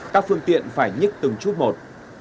các phương tiện phải nhức từng chút một